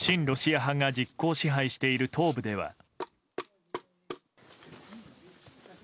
ロシア派が実効支配している東部では。